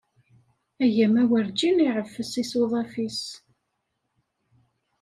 Agama werǧin iɛeffes isuḍaf-is.